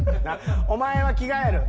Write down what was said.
お前は着替える。